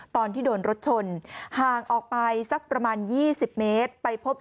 ตอนที่โดนรถชนห่างออกไปสักประมาณ๒๐เมตรไปพบศพ